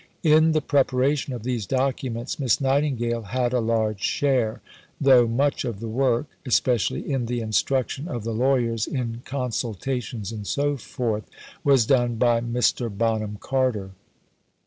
In the preparation of these documents, Miss Nightingale had a large share, though much of the work especially in the instruction of the lawyers, in consultations and so forth was done by Mr. Bonham Carter.